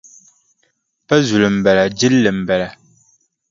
Pa zuli m-bala jilli m-bala.